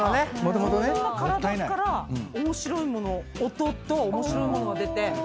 こんな体から面白いもの音と面白いものが出て。